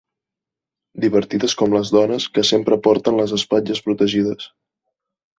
Divertides com les dones que sempre porten les espatlles protegides.